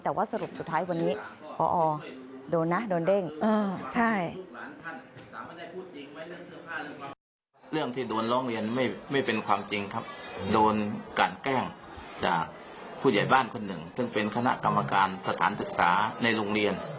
แต่ว่าสรุปสุดท้ายวันนี้พอโดนนะโดนเด้งใช่